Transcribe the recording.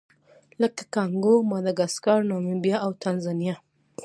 لکه کانګو، ماداګاسکار، نامبیا او تانزانیا.